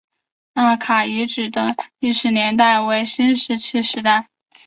纳卡遗址的历史年代为新石器时代。